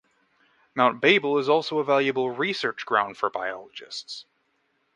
Mount Babel is also a valuable research ground for biologists.